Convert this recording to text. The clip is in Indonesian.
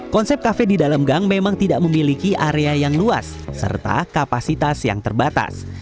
konsep kafe di dalam gang memang tidak memiliki area yang luas serta kapasitas yang terbatas